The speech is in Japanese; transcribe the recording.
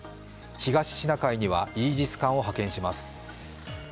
東シナ海にはイージス艦を派遣します。